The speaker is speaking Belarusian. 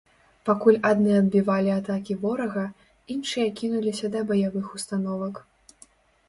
Пакуль адны адбівалі атакі ворага, іншыя кінуліся да баявых установак.